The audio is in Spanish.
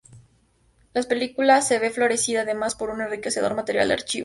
La película se ve favorecida además por un enriquecedor material de archivo.